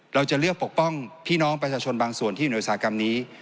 เราจะเลือกปกป้องพี่น้องประชาชนบางส่วนที่อยู่ในอุตสาหกรรมนี้